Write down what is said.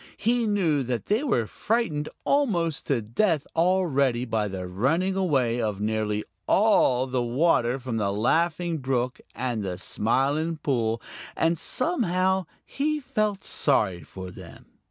He knew that they were frightened almost to death already by the running away of nearly all the water from the Laughing Brook and the Smiling Pool, and somehow he felt sorry for them.